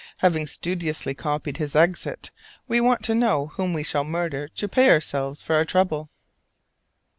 Having studiously copied his exit, we want to know whom we shall murder to pay ourselves for our trouble.